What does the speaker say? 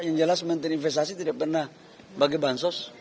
yang jelas menteri investasi tidak pernah pakai bahan sos